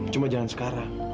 cuma jangan sekarang